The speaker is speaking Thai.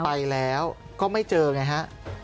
ไปแล้วก็ไม่เจอไงฮะ